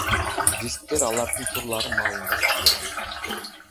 Дисктер алардын турлары маалында сатылган.